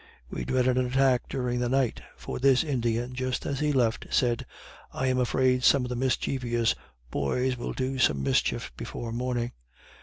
We dreaded an attack during the night; for this Indian, just as he left, said "I am afraid some of the mischievious boys will do some mischief before morning."